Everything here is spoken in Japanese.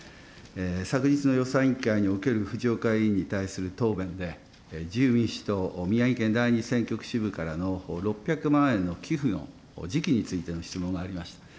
昨日の予算委員会における藤岡委員に対する答弁で、自由民主党宮城県第２支部選挙区からの６００万円の寄付の時期についての質問がありました。